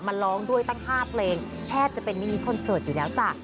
มาร้องด้วยตั้ง๕เพลงแทบจะเป็นมินิคอนเสิร์ตอยู่แล้วจ้ะ